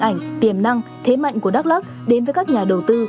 các hình ảnh tiềm năng thế mạnh của đắk lắk đến với các nhà đầu tư